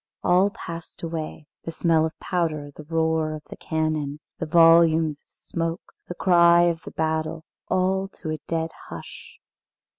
All passed away, the smell of the powder, the roar of the cannon, the volumes of smoke, the cry of the battle, all to a dead hush.